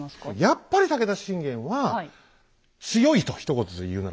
やっぱり武田信玄は強いとひと言で言うならば。